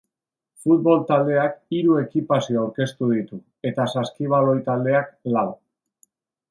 Futbol taldeak hiru ekipazio aurkeztu ditu, eta saskibaloi taldeak lau.